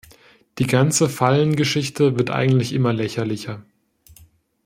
Die ganze Fallen-Geschichte wird eigentlich immer lächerlicher.